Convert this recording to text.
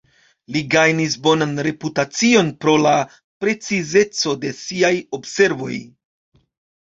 Li gajnis bonan reputacion pro la precizeco de siaj observoj.